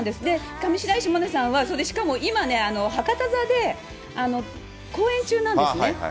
上白石萌音さんは、しかも今、博多座で公演中なんですね。